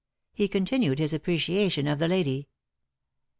He continued his appreciation of the lady.